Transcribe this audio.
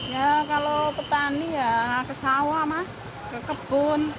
jadi masih seperti biasa bu